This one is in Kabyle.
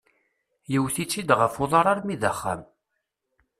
Yewwet-itt-id ɣef uḍar almi d axxam.